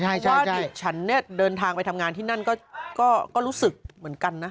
ใช่ฉันเนี่ยเดินทางไปทำงานที่นั่นก็รู้สึกเหมือนกันนะ